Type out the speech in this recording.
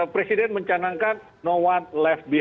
presiden mencanangkan no one